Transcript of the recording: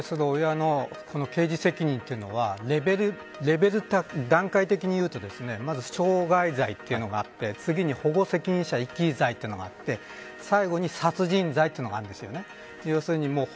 実の子どもに対する親の刑事責任というのは段階的に言うと傷害罪というのがあって次に、保護責任者遺棄罪というのがあって最後に殺人罪というのがあるんです。